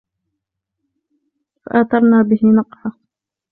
فَأَثَرْنَ بِهِ نَقْعًا